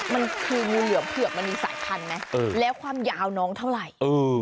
มันคืองูเหลือมเผือกมันมีสายพันธุ์ไหมแล้วความยาวน้องเท่าไหร่